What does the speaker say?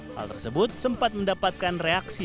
hal tersebut sempat mendapatkan reaksi